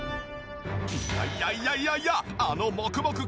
いやいやいやいやあのモクモク